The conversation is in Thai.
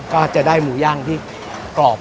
ก็จะได้หมูย่างที่กรอบ